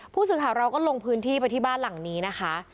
ผู้สื่อข่าวเราก็ลงพื้นที่ไปที่บ้านหลังนี้นะคะ